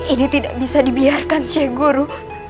ini tidak bisa dibiarkan si guru